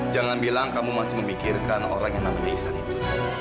jangan bilang kamu masih memikirkan orang yang namanya ihsan itu